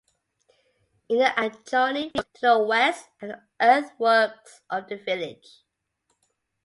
In the adjoining field to the west are the earthworks of the village.